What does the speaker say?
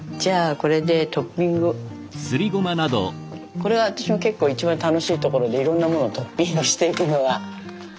これが私の結構一番楽しいところでいろんなものをトッピングしていくのが。